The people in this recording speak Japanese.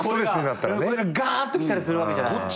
これがガーッと来たりするわけじゃない。